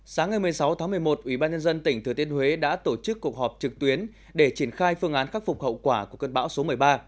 sáng ngày một mươi sáu tháng một mươi một ubnd tỉnh thừa tiên huế đã tổ chức cuộc họp trực tuyến để triển khai phương án khắc phục hậu quả của cơn bão số một mươi ba